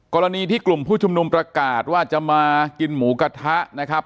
กรณีที่กลุ่มผู้ชุมนุมประกาศว่าจะมากินหมูกระทะนะครับ